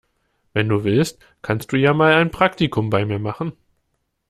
Wenn du willst, kannst du ja mal ein Praktikum bei mir machen.